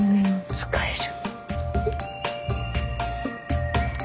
使える。